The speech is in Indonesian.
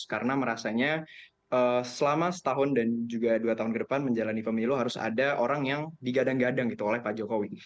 karena merasanya selama setahun dan juga dua tahun ke depan menjalani pemilu harus ada orang yang digadang gadang gitu oleh pak jokowi